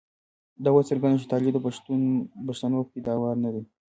دا اوس څرګنده شوه چې طالب د پښتنو پيداوار نه دی.